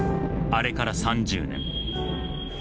あれから３０年。